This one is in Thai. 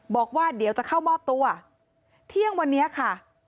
บอกว่าเดี๋ยวจะเข้ามอบตัวเที่ยงวันนี้ค่ะ